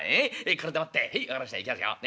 これでもってへい分かりましたいきますよ。ね？